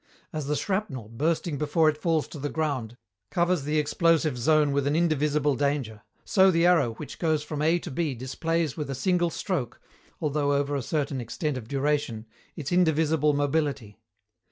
As the shrapnel, bursting before it falls to the ground, covers the explosive zone with an indivisible danger, so the arrow which goes from A to B displays with a single stroke, although over a certain extent of duration, its indivisible mobility.